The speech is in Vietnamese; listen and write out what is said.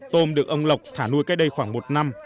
tôm được ông lộc thả nuôi cách đây khoảng một năm